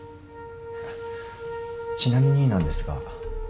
ちなみになんですが三星